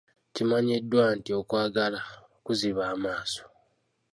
Kimanyiddwa nti, okwagala kuziba amaaso.